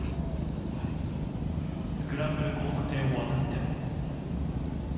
スクランブル交差点を渡っても。